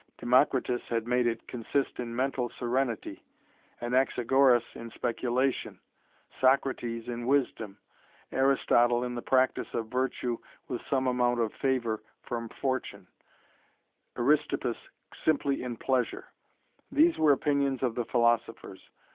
Democritus had made it consist in mental serenity, Anaxagoras in speculation, Socrates in wisdom, Aristotle in the practise of virtue with some amount of favour from fortune, Aristippus simply in pleasure. These were opinions of the philosophers.